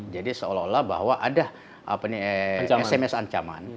jadi seolah olah bahwa ada sms ancaman